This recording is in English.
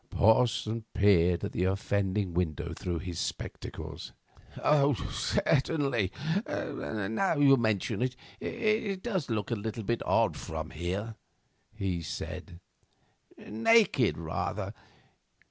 Porson peered at the offending window through his spectacles. "Certainly, now you mention it, it does look a little odd from here," he said; "naked, rather.